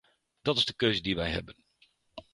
Dat is de keuze die wij hebben.